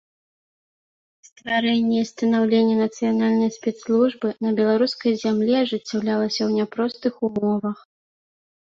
Стварэнне і станаўленне нацыянальнай спецслужбы на беларускай зямлі ажыццяўлялася ў няпростых умовах.